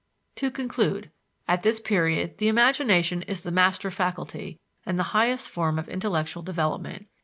To conclude: At this period the imagination is the master faculty and the highest form of intellectual development.